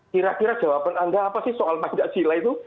kira kira jawaban anda apa sih soal pancasila itu